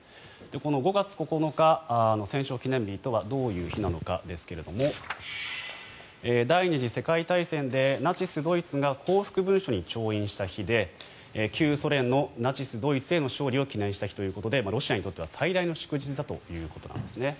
この５月９日の戦勝記念日とはどういう日なのかですが第２次世界大戦でナチス・ドイツが降伏文書に調印した日で旧ソ連のナチス・ドイツへの勝利を記念した日ということでロシアにとっては最大の祝日だということです。